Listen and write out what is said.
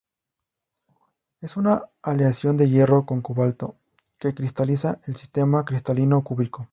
Es una aleación de hierro con cobalto, que cristaliza en el sistema cristalino cúbico.